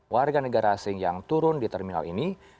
warga negara asing yang turun di terminal ini